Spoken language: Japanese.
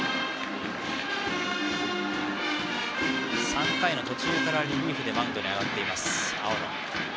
３回の途中からリリーフでマウンドに上がっている青野。